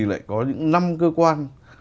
lại có những năm cơ quan